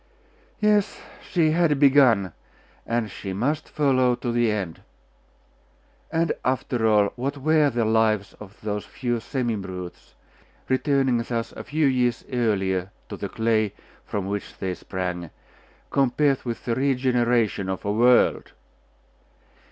Yes, she had begun, and she must follow to the end.... And, after all, what were the lives of those few semi brutes, returning thus a few years earlier to the clay from which they sprang, compared with the regeneration of a world?....